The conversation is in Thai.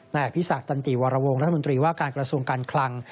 อภิษักตันติวรวงรัฐมนตรีว่าการกระทรวงการคลัง